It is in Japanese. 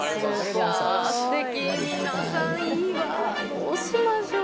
どうしましょう。